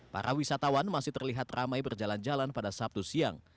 para wisatawan masih terlihat ramai berjalan jalan pada sabtu siang